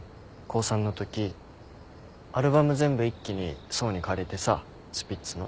高３のときアルバム全部一気に想に借りてさスピッツの。